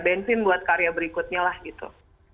bensin buat karya berikutnya lah gitu